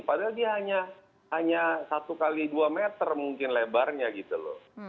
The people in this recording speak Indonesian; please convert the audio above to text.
padahal dia hanya satu x dua meter mungkin lebarnya gitu loh